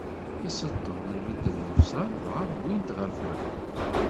Iseṭṭel, ibeddel llebsa, dɣa wwin-t ɣer Ferɛun.